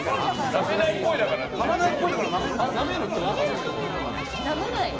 なめないっぽいだからなめるってこと？